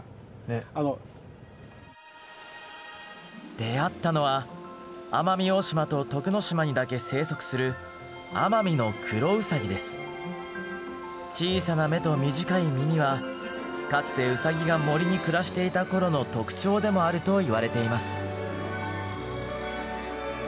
出会ったのは奄美大島と徳之島にだけ生息する小さな目と短い耳はかつてウサギが森に暮らしていた頃の特徴でもあるといわれています。